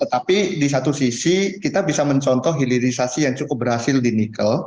tetapi di satu sisi kita bisa mencontoh hilirisasi yang cukup berhasil di nikel